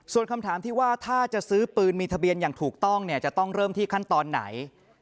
ส่วนคำถามที่ว่าถ้าจะซื้อปืนมีทะเบียนอย่างถูกต้องเนี่ยจะต้องเริ่มที่ขั้นตอนไหน